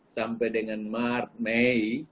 sampai dengan maret mei